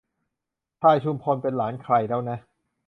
พลายชุมพลเป็นหลานใครแล้วนะ